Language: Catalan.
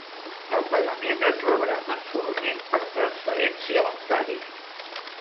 El pagament es rebrà mensualment per transferència bancària.